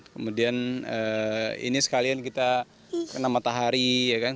kemudian ini sekalian kita kena matahari ya kan